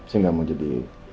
sehingga mau jadi